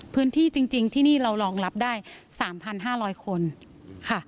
พื้นที่จริงที่นี่เรารองรับได้๓๕๐๐คนค่ะ